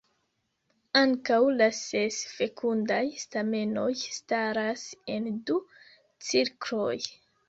Ankaŭ la ses fekundaj stamenoj staras en du cirkloj.